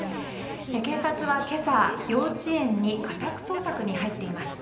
警察は今朝幼稚園に家宅捜索に入っています。